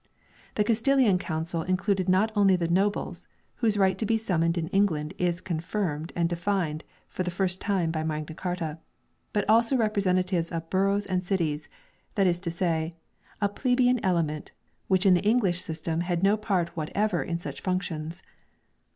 1 The Castilian Council included not only the nobles (whose right to be summoned in England is confirmed and defined for the first time by Magna Carta) but also representatives of boroughs and cities, that is to say, a plebeian element, which in the English system had no part whatever in such functions.